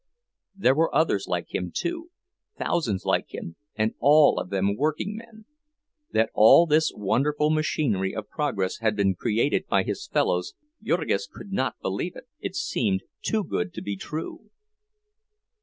There were others like him, too—thousands like him, and all of them workingmen! That all this wonderful machinery of progress had been created by his fellows—Jurgis could not believe it, it seemed too good to be true.